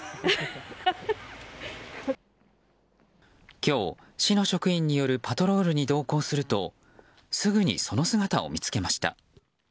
今日、市の職員によるパトロールに同行するとすぐにその姿を見つけました。